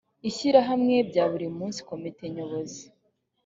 ishyirahamwe bya buri munsi komite nyobozi